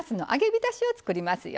びたしを作りますよ。